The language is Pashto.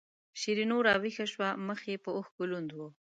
شیرینو راویښه شوه مخ یې په اوښکو لوند و.